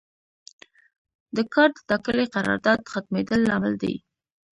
د کار د ټاکلي قرارداد ختمیدل لامل دی.